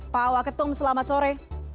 pak waketum selamat sore